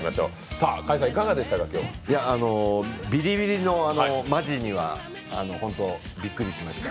ビリビリのマジには本当、びっくりしました。